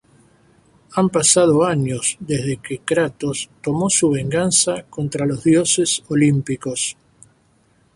Han pasado años desde que Kratos tomó su venganza contra los Dioses Olímpicos.